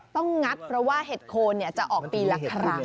งัดเพราะว่าเห็ดโคนจะออกปีละครั้ง